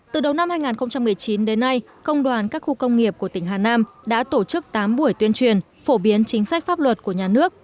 từ đầu năm hai nghìn một mươi chín đến nay công đoàn các khu công nghiệp của tỉnh hà nam đã tổ chức tám buổi tuyên truyền phổ biến chính sách pháp luật của nhà nước